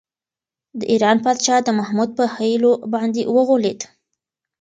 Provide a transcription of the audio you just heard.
د ایران پادشاه د محمود په حيلو باندې وغولېد.